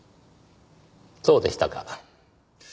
そうでしたか。